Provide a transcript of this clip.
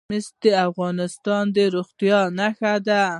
مس د افغانستان د زرغونتیا نښه ده.